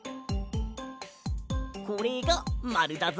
これがマルだぞ。